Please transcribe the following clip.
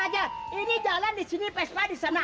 ya ini jeban jeban